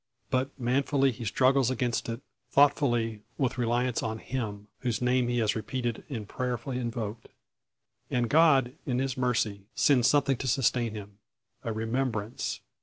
But manfully he struggles against it; thoughtfully, with reliance on Him, whose name he has repeated and prayerfully invoked. And God, in His mercy, sends something to sustain him a remembrance.